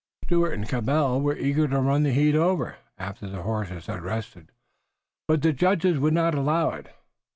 Stuart and Cabell were eager to run the heat over, after the horses had rested, but the judges would not allow it.